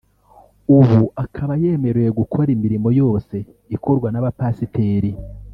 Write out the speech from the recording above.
ubu akaba yemerewe gukora imirimo yose ikorwa n’abapasiteri